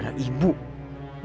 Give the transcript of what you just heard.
dan ibu takut